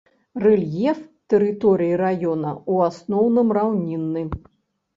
Рэльеф тэрыторыі раёна ў асноўным раўнінны.